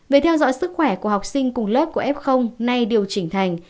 về theo dõi sức khỏe của học sinh cùng lớp của f nay điều chỉnh thành